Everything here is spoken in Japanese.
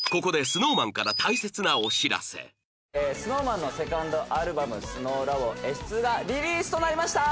ここで ＳｎｏｗＭａｎ のセカンドアルバム『ＳｎｏｗＬａｂｏ．Ｓ２』がリリースとなりました！